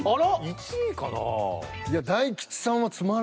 １位かなぁ？